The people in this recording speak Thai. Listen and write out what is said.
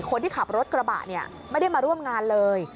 คนที่ขับรถกระบะเนี่ยไม่ได้มาร่วมงานเลย